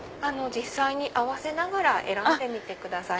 合わせながら選んでみてください。